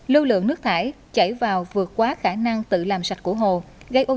lưu lượng nước thải chảy vào vượt qua khả năng tự làm sạch của hồ